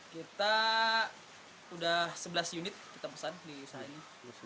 kita sudah sebelas unit kita pesan di usaha ini